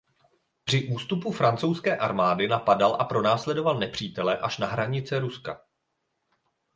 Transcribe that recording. Při ústupu francouzské armády napadal a pronásledoval nepřítele až na hranice Ruska.